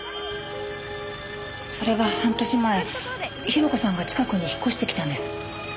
それが半年前広子さんが近くに引っ越してきたんです。